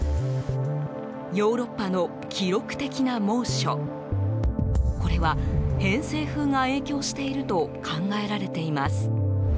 ヨーロッパの記録的な猛暑これは、偏西風が影響していると考えられています。